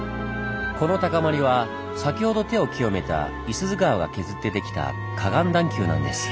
この高まりは先ほど手を清めた五十鈴川が削ってできた河岸段丘なんです。